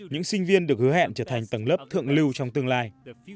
những sinh viên được hứa hẹn trở thành tầng lớp thượng lưu trong tương lai